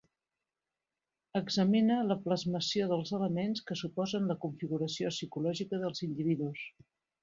Examine la plasmació dels elements que suposen la configuració psicològica dels individus.